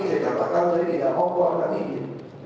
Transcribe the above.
saya katakan saya tidak mau keluarkan ini